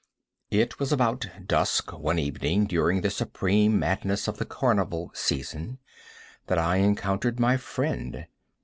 It was about dusk, one evening during the supreme madness of the carnival season, that I encountered my friend.